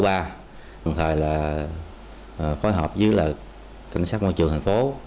thường thời là phối hợp với là cảnh sát môi trường thành phố